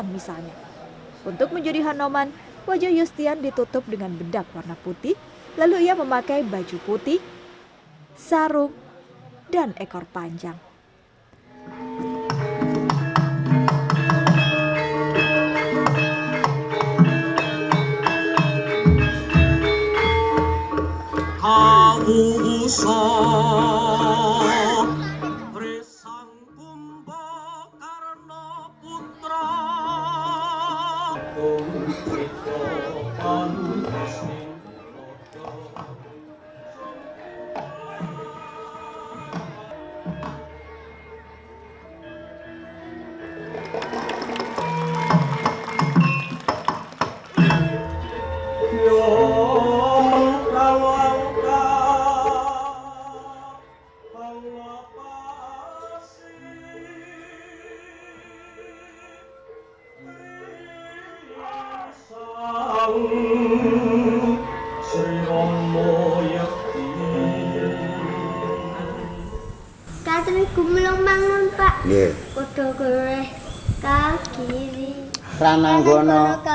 misalnya menjadikan seorang namanya hanuman yang diperankan yostian